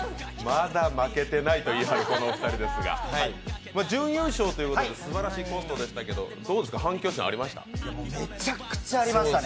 まだ負けてないと言い張るこのお二人ですが準優勝ということですばらしかったですけど、どうですか、反響ありました？